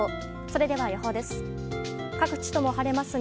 それでは予報です。